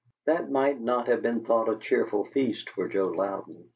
That might not have been thought a cheerful feast for Joe Louden.